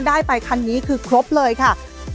ได้ไปคันนี้คือครบเลยค่ะ